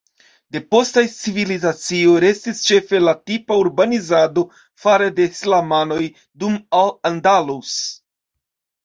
De postaj civilizacioj restis ĉefe la tipa urbanizado fare de islamanoj dum Al Andalus.